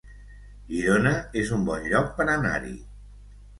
Girona es un bon lloc per anar-hi